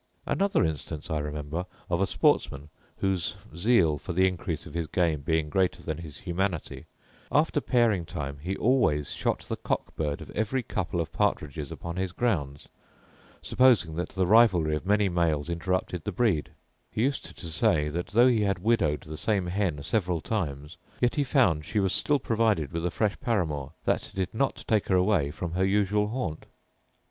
Another instance I remember of a sportsman, whose zeal for the increase of his game being greater than his humanity, after pairing time he always shot the cock bird of every couple of partridges upon his grounds; supposing that the rivalry of many males interrupted the breed: he used to say, that, though he had widowed the same hen several times, yet he found she was still provided with a fresh paramour, that did not take her away from her usual haunt.